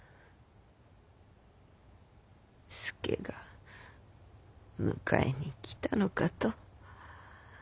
佐が迎えに来たのかと。